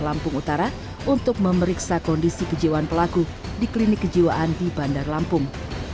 lampung utara untuk memeriksa kondisi kejiwaan pelaku di klinik kejiwaan di bandar lampung